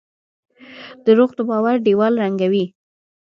دروغ د باور دیوال ړنګوي.